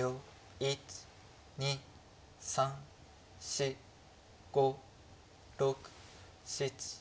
１２３４５６７。